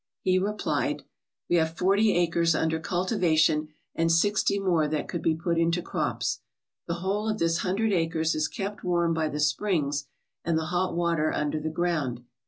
He replied: "We have forty acres under cultivation and sixty more that could be put into crops. The whole of this hundred acres is kept warm by the springs and the hot water under the ground.